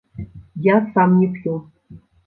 Я сам не п'ю.